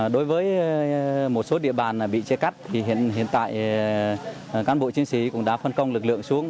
đối với một số địa bàn bị chia cắt thì hiện tại cán bộ chiến sĩ cũng đã phân công lực lượng xuống